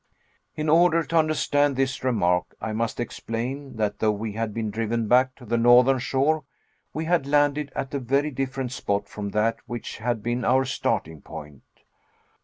In order to understand this remark, I must explain that though we had been driven back to the northern shore, we had landed at a very different spot from that which had been our starting point.